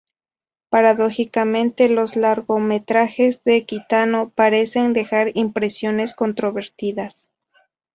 Paradójicamente, los largometrajes de Kitano parecen dejar impresiones controvertidas.